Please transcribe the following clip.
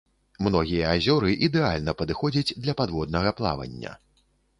Многія азёры ідэальна падыходзяць для падводнага плавання.